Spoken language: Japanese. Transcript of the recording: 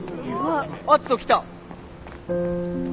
篤人来た。